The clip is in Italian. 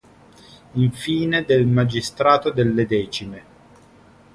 Infine del Magistrato delle Decime.